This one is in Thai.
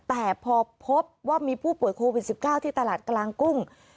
แต่พอพบว่ามีผู้ป่วยโควิด๑๙ที่ตลาดกลางกุ้ง